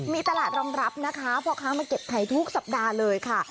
มีตลาดรองรับนะคะพ่อค้ามาเก็บไข่ทุกสัปดาห์เลยค่ะ